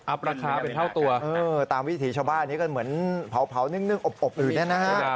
ราคาเป็นเท่าตัวตามวิถีชาวบ้านนี้ก็เหมือนเผานึ่งอบอื่นเนี่ยนะฮะ